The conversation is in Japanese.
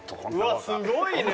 うわっすごいね。